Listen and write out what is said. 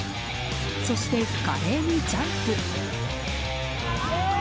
そして、華麗にジャンプ。